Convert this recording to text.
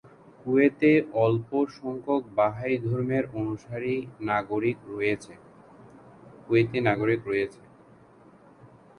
কুয়েতে অল্প সংখ্যক বাহাই ধর্মের অনুসারী কুয়েতি নাগরিক রয়েছে।